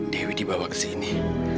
dewi dibawa kesini